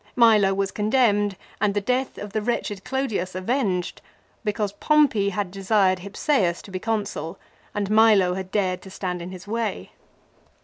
Milo was condemned and the death of the wretched Clodius avenged, because Pompey had desired Hypsseus to be Consul and Milo had dared to stand in his way.